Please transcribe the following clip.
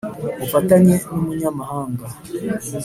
bufatanye n umunyamahanga